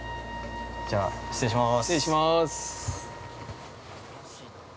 ◆じゃあ、失礼します。